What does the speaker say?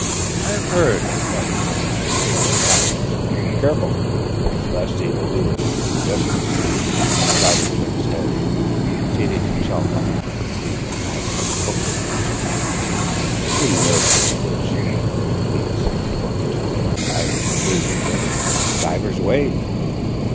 "I have heard as much, and I think the pastor should be more careful, lest he will do an injustice." Louder shook his head and, seating himself on the green bank of a brooklet, answered: "Goody Nurse is a witch. She hath grievously tormented me on divers occasions and in divers ways.